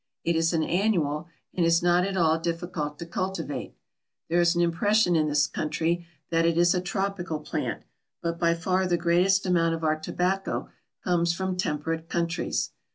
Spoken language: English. It is an annual, and is not at all difficult to cultivate. There is an impression in this country that it is a tropical plant, but by far the greatest amount of our tobacco comes from temperate countries.